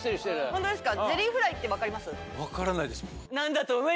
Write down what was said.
ホントですか？